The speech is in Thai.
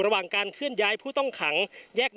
พร้อมด้วยผลตำรวจเอกนรัฐสวิตนันอธิบดีกรมราชทัน